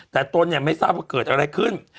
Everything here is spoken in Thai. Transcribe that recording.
แต่ตนเนี่ยไม่ทราบว่าเกิดอะไรขึ้น